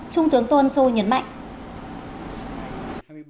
trung tướng tô hân sô nhấn mạnh